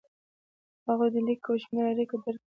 هغوی د لیک او شمېر اړیکه درک کړه.